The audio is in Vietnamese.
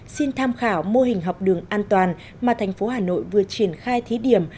xin tham khảo mô hình học đường an toàn mà thành phố hà nội vừa triển khai thí điểm